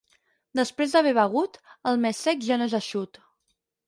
Després d'haver begut, el més sec ja no és eixut.